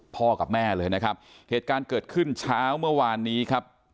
พ่อกับแม่เลยนะครับเหตุการณ์เกิดขึ้นเช้าเมื่อวานนี้ครับ